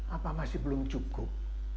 apa masih belum cukup